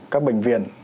các bệnh viện